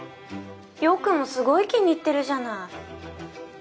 陽君もすごい気に入ってるじゃない。